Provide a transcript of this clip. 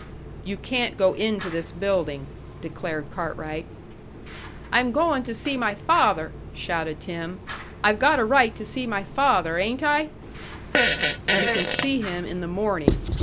"You can't go into this building," declared Cartwright. "I'm goin' to see my father!" shouted Tim. "I've got a right to see my father, ain't I?" "You can see him in the morning.